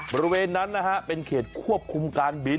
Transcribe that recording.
บริเวณนั้นนะฮะเป็นเขตควบคุมการบิน